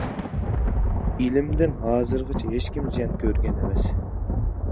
ئىلىمدىن ھازىرغىچە ھېچكىم زىيان كۆرگەن ئەمەس.